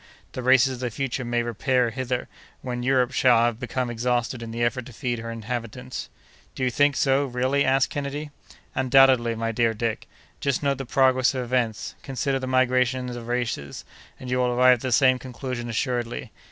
The races of the future may repair hither, when Europe shall have become exhausted in the effort to feed her inhabitants." "Do you think so, really?" asked Kennedy. "Undoubtedly, my dear Dick. Just note the progress of events: consider the migrations of races, and you will arrive at the same conclusion assuredly.